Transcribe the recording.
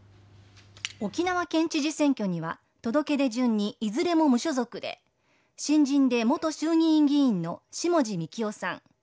沖縄県知事選挙には届け出順にいずれも無所属で新人の元衆院議員の下地幹郎さん。